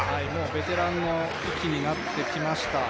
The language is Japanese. ベテランの域になってきました。